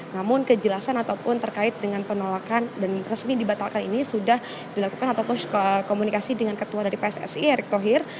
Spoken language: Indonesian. namun kejelasan ataupun terkait dengan penolakan dan resmi dibatalkan ini sudah dilakukan ataupun komunikasi dengan ketua dari pssi erick thohir